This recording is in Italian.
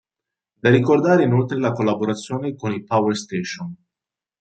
Da ricordare inoltre la collaborazione con i Power Station.